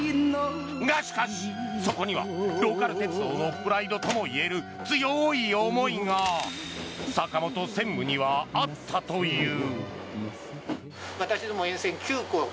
がしかし、そこにはローカル鉄道のプライドとも言える強い思いが坂本専務にはあったという。